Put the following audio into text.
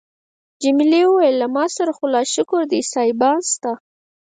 جميلې وويل: له ما سره خو لا شکر دی سایبان شته.